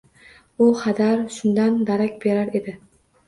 U xadar shundan darak berar edi